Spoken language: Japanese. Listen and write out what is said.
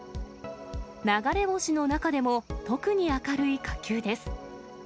流れ星の中でも特に明るい火球です。